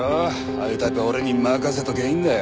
ああいうタイプは俺に任せときゃいいんだよ。